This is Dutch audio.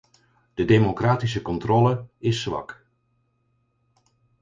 De democratische controle is zwak.